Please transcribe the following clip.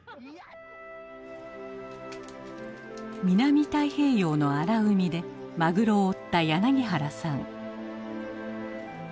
南太平洋の荒海でマグロを追った柳原さん。